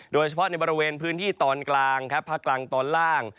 โดยเฉพาะในบริเวณพื้นที่ตอนกลางครับภาคกลางตอนล่าง